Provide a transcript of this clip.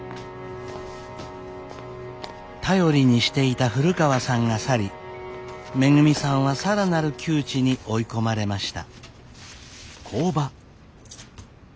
頼りにしていた古川さんが去りめぐみさんは更なる窮地に追い込まれました。